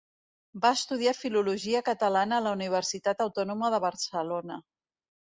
Va estudiar filologia catalana a la Universitat Autònoma de Barcelona.